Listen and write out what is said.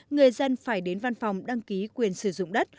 người dân phải đến văn phòng đăng ký quyền sử dụng đất